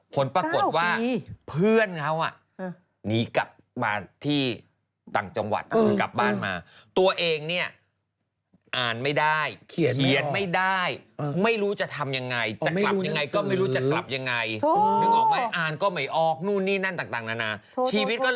ผลปรากฏว่าเพื่อนเขาอ่ะนีกลับบ้านที่ต่างจังหวัด